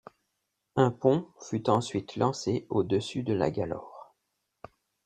Un pont fut ensuite lancé au-dessus de la Galaure.